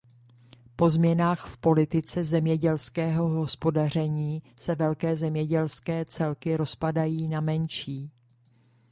Po změnách v politice zemědělského hospodaření se velké zemědělské celky rozpadají na menší.